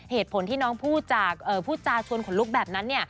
เหตุผลที่น้องพูดจาชวนขนลุกแบบนั้น